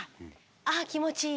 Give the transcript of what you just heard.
ああ気持ちいい。